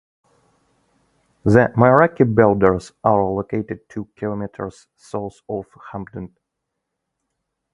The Moeraki Boulders are located two kilometres south of Hampden.